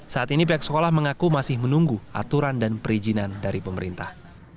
saat ini pihak sekolah mengaku masih menunggu aturan dan perizinan dari pemerintah